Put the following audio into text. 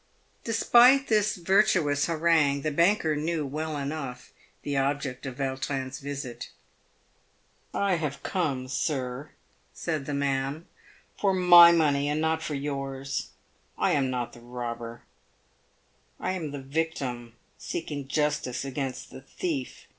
Despite this virtuous harangue, the banker knew well enough the object of Vautrin's visit. " I have come, sir," said the man, " for my. money, and not for yours. I am not the robber — I am the victim seeking justice against the thief.